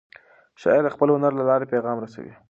شاعر د خپل هنر له لارې پیغام رسوي.